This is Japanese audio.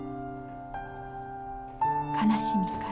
悲しみから。